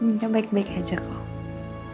intinya baik baik aja kok